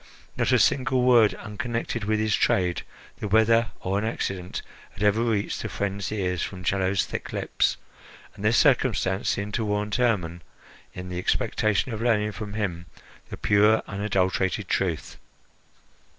Not a single word unconnected with his trade, the weather, or an accident, had ever reached the friends' ears from Chello's thick lips, and this circumstance seemed to warrant Hermon in the expectation of learning from him the pure, unadulterated truth.